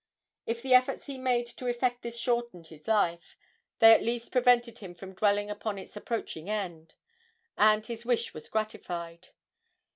If the efforts he made to effect this shortened his life, they at least prevented him from dwelling upon its approaching end, and his wish was gratified.